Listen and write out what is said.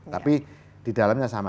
tapi di dalamnya sama